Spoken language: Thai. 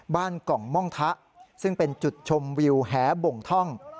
กล่องม่องทะซึ่งเป็นจุดชมวิวแหบ่งท่อง